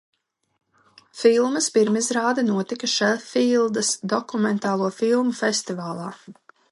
Filmas pirmizrāde notika Šefīldas dokumentālo filmu festivālā.